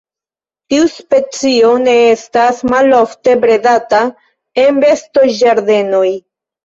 Tiu specio ne estas malofte bredata en bestoĝardenoj.